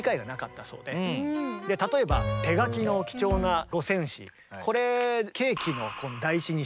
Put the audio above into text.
例えば手書きの貴重な五線紙これケーキの台紙にしちゃったり。